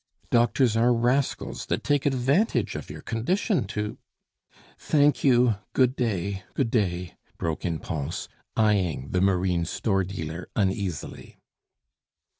Doctors are rascals that take advantage of your condition to " "Thank you, good day, good day," broke in Pons, eying the marine store dealer uneasily.